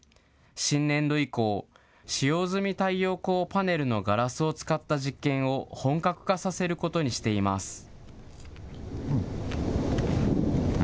新年度以降、使用済み太陽光パネルのガラスを使った実験を本格化させることにしています。